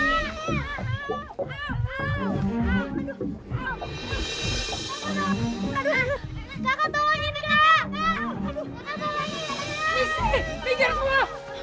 isi pinggir semua